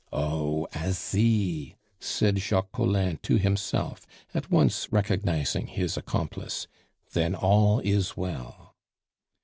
"Oh! Asie!" said Jacques Collin to himself, at once recognizing his accomplice. "Then all is well."